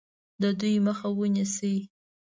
د دوی مخه ونیسي.